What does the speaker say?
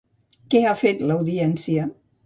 Què ha fet l'Audiència?